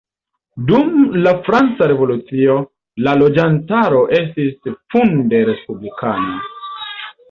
Dum la franca revolucio, la loĝantaro estis funde respublikana.